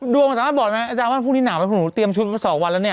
ดวงสามารถบอกไหมอาจารย์ว่าพรุ่งนี้หนาวไหมหนูเตรียมชุดมา๒วันแล้วเนี่ย